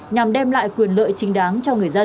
nhằm đem lại quyền lợi chính đáng cho người dân